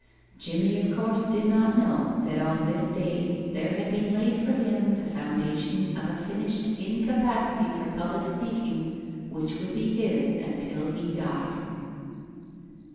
Jimmie, of course, did not know that on this day there had been laid for him the foundation of a finished incapacity for public speaking which would be his until he died.